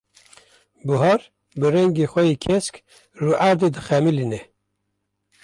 Buhar bi rengê xwe yê kesk, rûerdê dixemilîne.